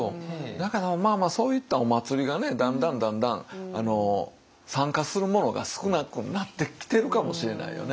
だからそういったお祭りがだんだんだんだん参加するものが少なくなってきてるかもしれないよね。